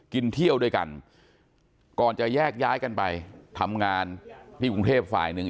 กินเที่ยวด้วยกันก่อนจะแยกย้ายกันไปทำงานที่กรุงเทพฝ่ายหนึ่ง